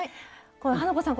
花子さん